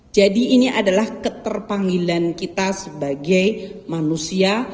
jadi ini adalah keterpanggilan kita sebagai manusia